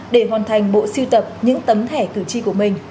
để hoàn thành bộ siêu tập những tấm thẻ cử tri của mình